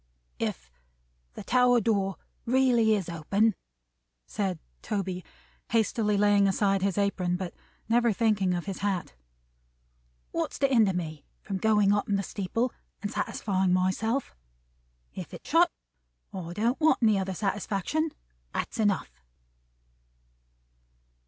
"If the tower door is really open," said Toby, hastily laying aside his apron, but never thinking of his hat, "what's to hinder me from going up in the steeple and satisfying myself? If it's shut, I don't want any other satisfaction. That's enough."